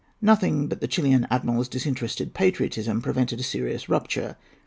Nothing but the Chilian admiral's disinterested patriotism prevented a serious rupture.